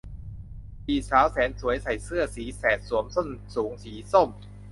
สี่สาวแสนสวยใส่เสื้อสีแสดสวมส้นสูงสีส้ม